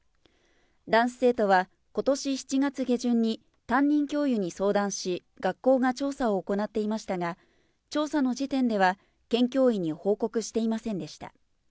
男子生徒はことし７月下旬に、担任教諭に相談し、学校が調査を行っていましたが、調査の時点では、県教委に報告していませんでした。